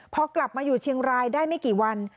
พอกลับมาอยู่เชียงรายได้ไม่กี่วัน